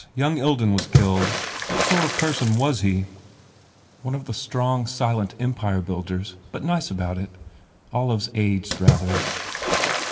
Young Ilden was killed. What sort of person was he?" "One of the silent, strong Empire builders but nice about it. ... Olive s aged, rather."